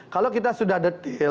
kalau kita sudah detail